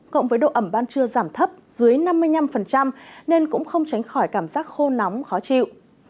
cộng với độ ẩm ban trưa giảm thấp dưới năm mươi năm nên cũng không tránh khỏi cảm giác khô nóng khó chịu